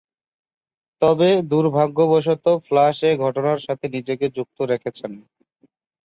তবে, দূর্ভাগ্যবশতঃ ফ্লাশ এ ঘটনার সাথে নিজেকে যুক্ত রেখেছেন।